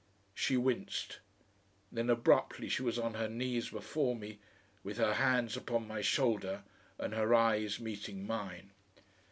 She winced. Then abruptly she was on her knees before me, with her hands upon my shoulder and her eyes meeting mine.